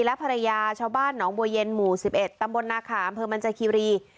และภรรยาชาวบ้านหนองบัวเย็นหมู่๑๑ตำบลนาขาอำเภอมันจาคิรี